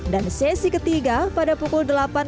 dan sesi ketiga pada pukul delapan